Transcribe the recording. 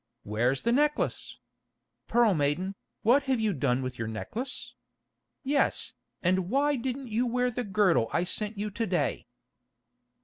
Where's the necklace? Pearl Maiden, what have you done with your necklace? Yes, and why didn't you wear the girdle I sent you to day?"